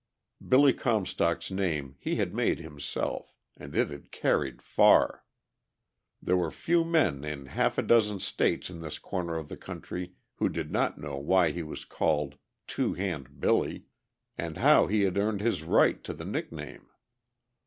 Billy Comstock's name he had made himself, and it had carried far. There were few men in half a dozen States in this corner of the country who did not know why he was called "Two Hand Billy" and how he had earned his right to the nickname.